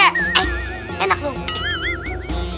eh enak dong